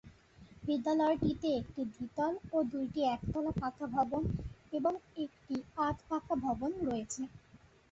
বিদ্যালয়টিতে একটি দ্বিতল ও দুইটি একতলা পাকা ভবন এবং একটি আধা-পাকা ভবন রয়েছে।